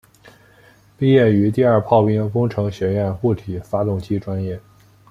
毕业于第二炮兵工程学院固体发动机专业。